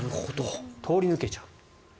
通り抜けちゃうと。